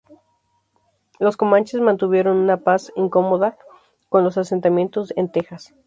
Los comanches mantuvieron una paz incomoda con los asentamientos en Texas.